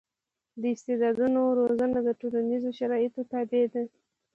د استعدادونو روزنه د ټولنیزو شرایطو تابع ده.